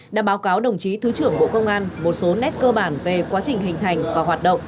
đã báo cáo đồng chí thứ trưởng bộ công an một số nét cơ bản về quá trình hình thành và hoạt động